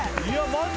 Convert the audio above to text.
マジ？